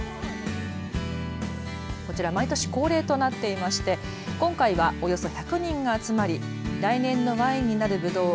こちら毎年恒例となっていまして今回はおよそ１００人が集まり来年のワインになるぶどう